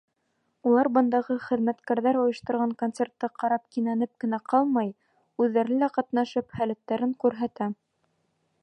Улар бындағы хеҙмәткәрҙәр ойошторған концертты ҡарап кинәнеп кенә ҡалмай, үҙҙәре лә ҡатнашып, һәләттәрен күрһәтә.